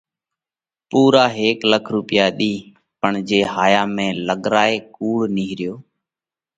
پُورا هيڪ لاک رُوپِيا ۮِيه پڻ جي هايا ۾ لڳرائي ڪُوڙ نِيهريو